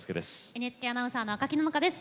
ＮＨＫアナウンサーの赤木野々花です。